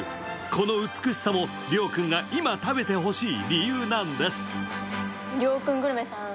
この美しさもりょうくんが今食べてほしい理由なんです。